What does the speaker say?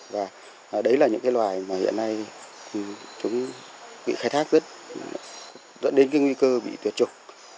và đấy là những loài mà hiện nay chúng bị khai thác rất dẫn đến nguy cơ bị tuyệt trục